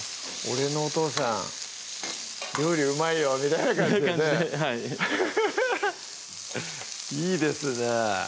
「俺のお父さん料理うまいよ」みたいな感じでねハハハハッいいですね